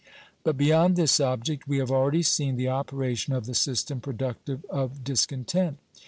But beyond this object we have already seen the operation of the system productive of discontent.